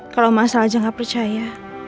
kalau ma salah aja gak percaya